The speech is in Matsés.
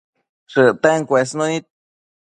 shëcten cuesnunid